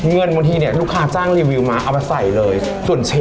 อื้มบอกพูดเลยว่ามันเป็นล้า